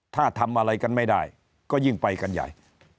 ถ้าทำอะไรกันไม่ได้ก็ยิ่งไปกันใหญ่